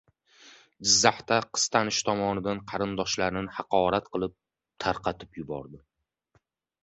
Jizzaxda qiz tanishi nomidan qarindoshlarini haqorat qilib, tarqatib yubordi